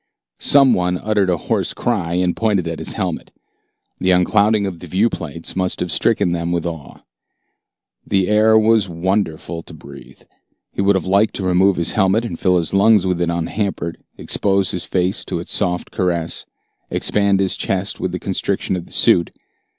Some one uttered a hoarse cry and pointed at his helmet. The unclouding of the viewplates must have stricken them with awe. The air was wonderful to breathe. He would have liked to remove his helmet and fill his lungs with it unhampered, expose his face to its soft caress, expand his chest with the constriction of the suit.